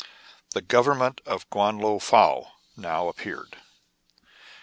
The government of Guan Lo Fou now appeared.